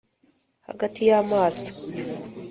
hagati y'amaso